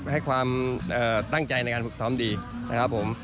ให้ความตั้งใจในการฝึกซ้อมดีนะครับผม